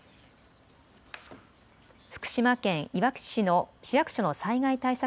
福島県いわき市の市役所の災害対策